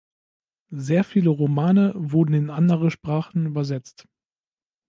Sehr viele Romane wurden in andere Sprachen übersetzt.